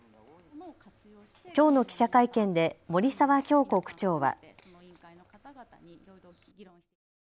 きょうの記者会見で森澤恭子区長は。